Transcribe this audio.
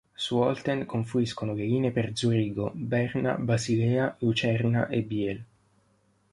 Su Olten confluiscono le linee per Zurigo, Berna, Basilea, Lucerna e Biel.